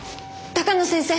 鷹野先生！